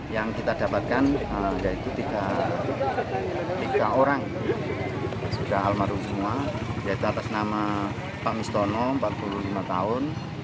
yang kita dapatkan alhamdulillah itu tiga orang sudah almarhum semua yaitu atas nama pak mistono empat puluh lima tahun